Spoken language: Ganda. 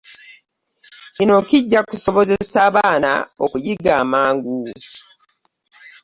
Kino kijja kusobozesa abaana okuyiga amangu.